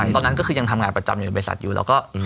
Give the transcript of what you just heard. ตอนนั้นก็คือยังทำงานประจำอยู่ในบริษัทอยู่แล้วก็